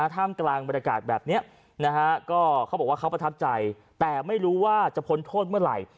ท่ามกลางบรรยากาศแบบนี้นะฮะก็เขาบอกว่าเขาประทับใจแต่ไม่รู้ว่าจะพ้นโทษเมื่อไหร่